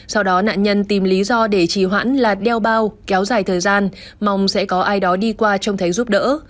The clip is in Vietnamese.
sau đó nạn nhân tìm lý do để trì hoãn là đeo bao kéo dài thời gian mong sẽ có ai đó đi qua trông thấy giúp đỡ